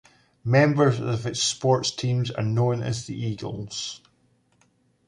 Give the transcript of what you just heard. Members of its sports teams are known as the "Eagles".